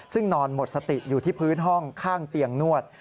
ซึ่งนอนหมดสติอยู่ที่พื้นห้องข้างเตียงนวด